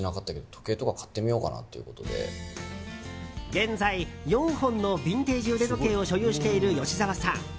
現在４本のビンテージ腕時計を所有している吉沢さん。